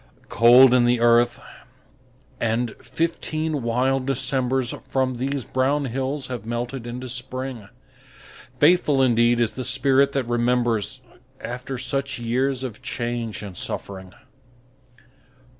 Cold in the earth, and fifteen wild Decembers From these brown hills have melted into Spring. Faithful indeed is the spirit that remembers After such years of change and suffering!